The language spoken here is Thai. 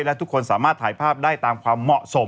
และทุกคนสามารถถ่ายภาพได้ตามความเหมาะสม